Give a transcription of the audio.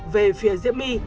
về phía diễm my